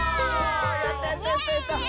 やったやったやったやった！